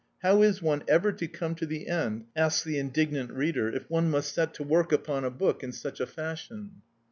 How is one ever to come to the end, asks the indignant reader, if one must set to work upon a book in such a fashion?